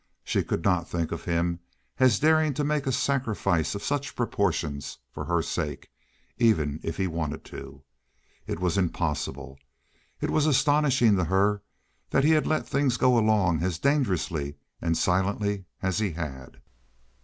She could not think of him as daring to make a sacrifice of such proportions for her sake even if he wanted to. It was impossible. It was astonishing to her that he had let things go along as dangerously and silently as he had.